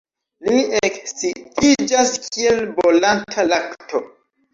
Li ekscitiĝas kiel bolanta lakto.